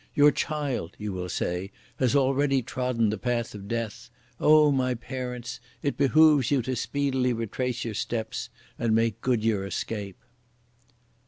"Your child," you will say, "has already trodden the path of death! Oh my parents, it behoves you to speedily retrace your steps and make good your escape!"